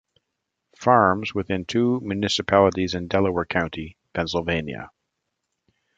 Farms, within two municipalities in Delaware County, Pennsylvania.